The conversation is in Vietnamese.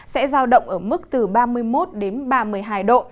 sẽ giao động ở mức từ ba mươi một đến ba mươi hai độ